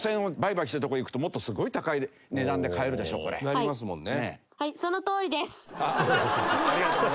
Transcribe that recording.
なりますもんね。